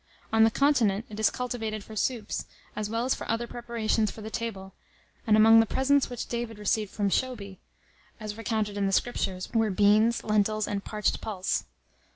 On the Continent it is cultivated for soups, as well as for other preparations for the table; and among the presents which David received from Shobi, as recounted in the Scriptures, were beans, lentils, and parched pulse.